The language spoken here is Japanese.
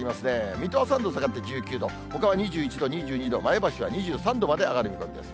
水戸は３度下がって１９度、ほかは２１度、２２度、前橋は２３度まで上がる見込みです。